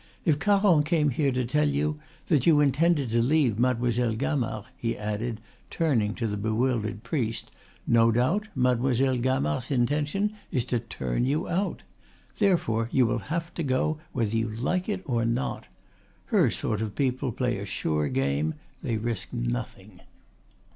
If Caron came here to tell you that you intended to leave Mademoiselle Gamard," he added, turning to the bewildered priest, "no doubt Mademoiselle Gamard's intention is to turn you out. Therefore you will have to go, whether you like it or not. Her sort of people play a sure game, they risk nothing."